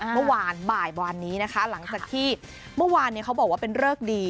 เมื่อวานบ่ายวานนี้นะคะหลังจากที่เมื่อวานเขาบอกว่าเป็นเริกดี